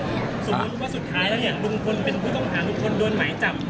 สมมุติว่าสุดท้ายแล้วเนี่ยลุงพลเป็นผู้ต้องหาลุงพลโดนหมายจับ